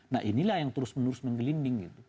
nah inilah yang terus menerus menggelinding gitu